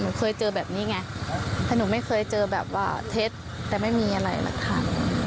เคยเจอแบบนี้ไงแต่หนูไม่เคยเจอแบบว่าเท็จแต่ไม่มีอะไรหรอกค่ะ